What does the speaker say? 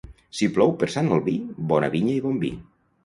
Si plou per Sant Albí, bona vinya i bon vi.